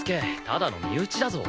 ただの身内だぞ？